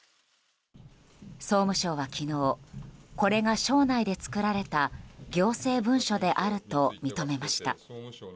総務省は昨日、これが省内で作られた行政文書であると認めました。